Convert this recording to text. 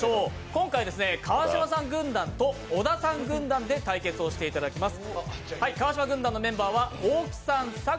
今回、川島さん軍団と、小田さん軍団で対決をしていただきます。